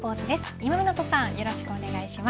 今湊さんよろしくお願いします。